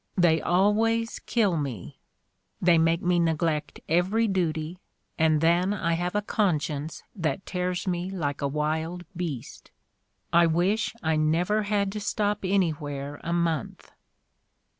They always kill me — they make me neglect every duty and then I have a conscience that tears me like a wild beast. I wish I never had to stop anywhere a month."